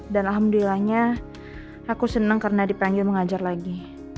dan alhamdulillahnya aku senang karena dipanggil mengajar lagi